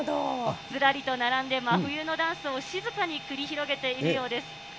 ずらりと並んで、真冬のダンスを静かに繰り広げているようです。